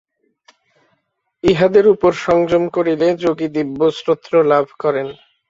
ইহাদের উপর সংযম করিলে যোগী দিব্য শ্রোত্র লাভ করেন।